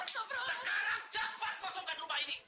untuk cepat kosongkan rumah ini